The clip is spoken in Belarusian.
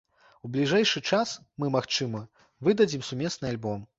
У бліжэйшы час мы, магчыма, выдадзім сумесны альбом.